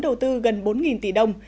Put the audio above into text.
đầu tư gần bốn tỷ đồng